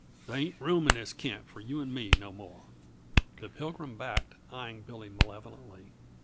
There ain't room in this camp for you and me no more." The Pilgrim backed, eying Billy malevolently.